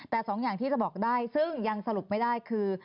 แต่สองอย่างที่จะบอกได้ซึ่งยังสรุปไม่ได้คือ